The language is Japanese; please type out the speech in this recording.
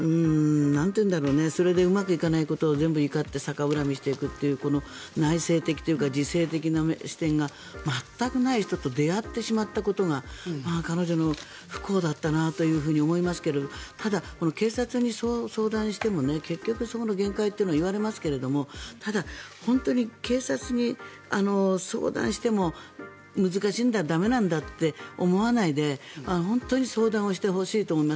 それでうまくいかないことは全部怒って逆恨みしていくという内省的というか自省的な視点が全くない人と出会ってしまったことが彼女の不幸だったなというふうに思いますけどただ、警察に相談しても結局そこの限界というのが言われますけれどただ、警察に相談しても難しいんだ駄目なんだって思わないで本当に相談をしてほしいと思います。